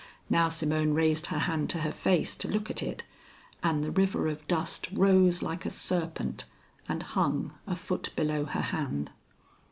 Now Simone raised her hand to her face to look at it, and the river of dust rose like a serpent and hung a foot below her hand.